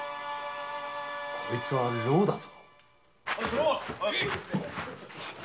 こいつは蝋だぞ。